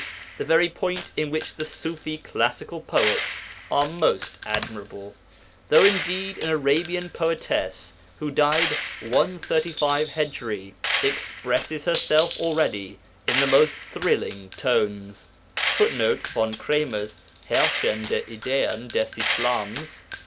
the very point in which the Ṣufi classical poets are most admirable, though indeed an Arabian poetess, who died 135 Hij., expresses herself already in the most thrilling tones. [Footnote: Von Kremer's Herrschende Ideen des Islams, pp.